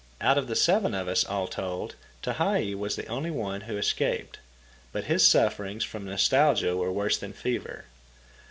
Out of the seven of us all told Tehei is the only one who has escaped; but his sufferings from nostalgia are worse than fever.